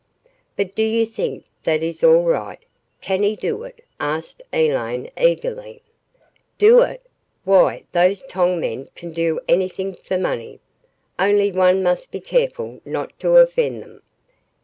"But do you think that is all right? Can he do it?" asked Elaine eagerly. "Do it? Why those tong men can do anything for money. Only one must be careful not to offend them."